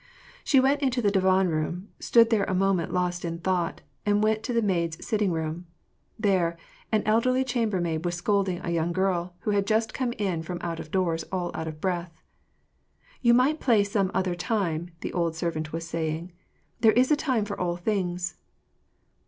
She went into the divan room, stood there a moment lost in thought, and went to the maids' sitting room. There, an eldeny chambermaid was scolding a young girl, who had just come in from out of doors all out of breath. " You might play some other time," the old servant was say ing. "There is a time for all things."